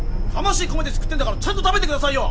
魂込めて作ってんだからちゃんと食べてくださいよ！